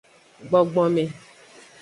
Gbogbome.